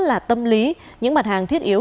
là tâm lý những mặt hàng thiết yếu